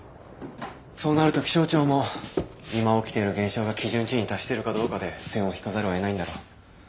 そうなると気象庁も今起きている現象が基準値に達してるかどうかで線を引かざるをえないんだろう。